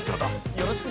よろしくね！